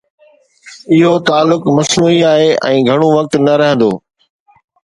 اهو تعلق مصنوعي آهي ۽ گهڻو وقت نه رهندو.